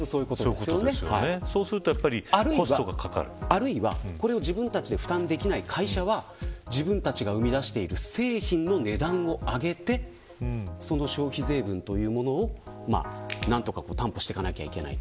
あるいは、自分たちで負担できない会社は自分たちが生み出している製品の値段を上げてその消費税分というものをなんとか担保していかなきゃいけない。